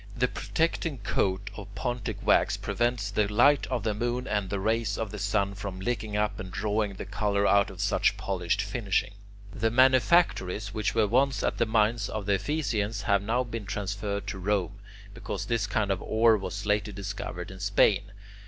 The protecting coat of Pontic wax prevents the light of the moon and the rays of the sun from licking up and drawing the colour out of such polished finishing. The manufactories which were once at the mines of the Ephesians have now been transferred to Rome, because this kind of ore was later discovered in Spain.